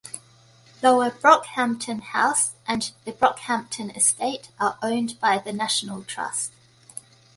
Lower Brockhampton House and the Brockhampton Estate are owned by the National Trust.